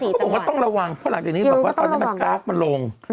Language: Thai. เขาบอกว่าต้องระวังเพราะหลังจากนี้แบบว่าตอนนี้มันกราฟมันลง